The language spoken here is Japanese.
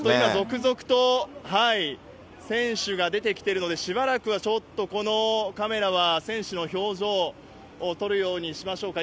続々と選手が出てきてるので、しばらくはちょっとこのカメラは選手の表情を撮るようにしましょうか。